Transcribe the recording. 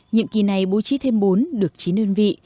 nhiệm kỳ này bố trí thêm bốn được chín đơn vị